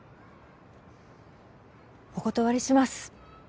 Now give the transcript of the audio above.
お断りします。